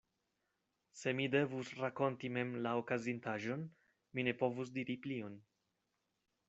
Se mi devus rakonti mem la okazintaĵon, mi ne povus diri plion.